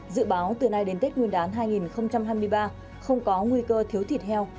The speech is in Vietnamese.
dự báo từ nay đến tết nguyên đán hai nghìn hai mươi ba không có nguy cơ thiếu thịt heo